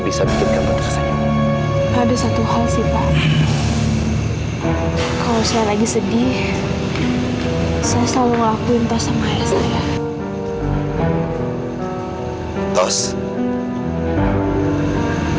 jadi saya selalu ngelakuin tas sama ayah saya